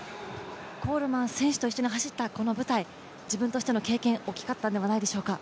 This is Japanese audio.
コールマン選手と一緒に走ったこの舞台、自分としてはこの経験は大きかったんじゃないでしょうか。